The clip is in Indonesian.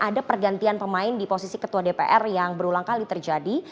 ada pergantian pemain di posisi ketua dpr yang berulang kali terjadi